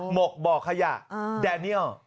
หกบ่อขยะแดเนียล